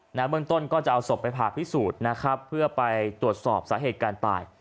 เบื้องต้นก็จะเอาศพไปผ่าพิสูจน์นะครับเพื่อไปตรวจสอบสาเหตุการตาย